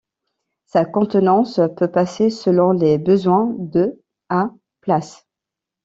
Sa contenance peut passer selon les besoins de à places.